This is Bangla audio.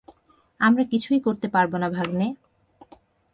আমরা কিছুই করতে পারবো না ভাগ্নে।